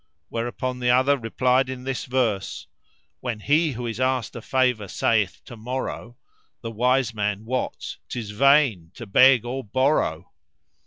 Whereupon the other replied in this verse:— 'When he who is asked a favour saith "To morrow," * The wise man wots 'tis vain to beg or borrow.'"